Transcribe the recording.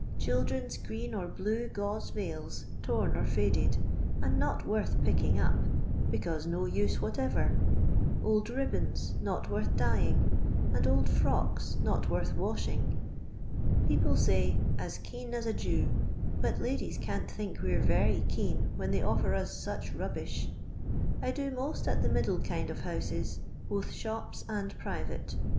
Children's green or blue gause veils, torn or faded, and not worth picking up, because no use whatever ; old ribbona, not worth dyeing, and old frocks, not worth washing. People say, ' as keen as a Jew,' but ladies can't think we're very keen when they offer na such rubbish. I do most at the middle kind of booses, both shops and private.